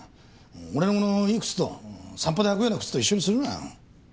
俺のいい靴と散歩で履くような靴と一緒にするなよ。